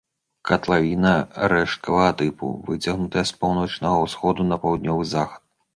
Катлавіна рэшткавага тыпу, выцягнутая з паўночнага ўсходу на паўднёвы захад.